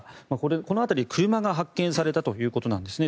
この辺りで車が発見されたということなんですね。